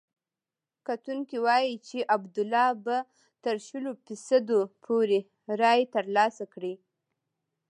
کتونکي وايي چې عبدالله به تر شلو فیصدو پورې رایې ترلاسه کړي.